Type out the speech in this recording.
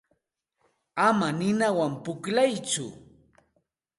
Ama ninawan pukllatsu.